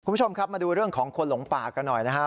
คุณผู้ชมครับมาดูเรื่องของคนหลงป่ากันหน่อยนะครับ